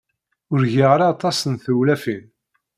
Ur giɣ ara aṭas n tewlafin.